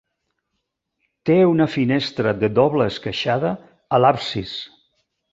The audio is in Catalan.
Té una finestra de doble esqueixada a l'absis.